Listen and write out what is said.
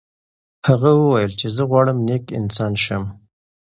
هغه وویل چې زه غواړم نیک انسان شم.